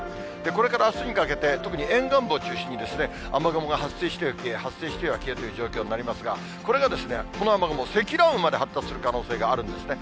これからあすにかけて、特に沿岸部を中心に、雨雲が発生しては消え、発生しては消えという状況になりますが、これがこの雨雲、積乱雲まで発達する可能性があるんですね。